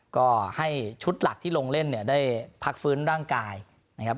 ก็ให้ชุดหลักที่ลงเล่นเนี่ยได้พักฟื้นร่างกายนะครับ